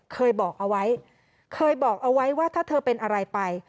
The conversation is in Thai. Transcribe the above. เคยบอกเอาไว้ว่าถ้าเธอเป็นอะไรไป